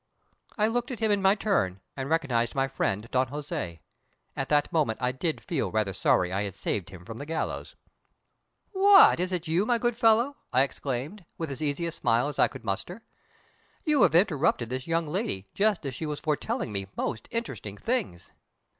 I looked at him in my turn and recognised my friend Don Jose. At that moment I did feel rather sorry I had saved him from the gallows. "What, is it you, my good fellow?" I exclaimed, with as easy a smile as I could muster. "You have interrupted this young lady just when she was foretelling me most interesting things!"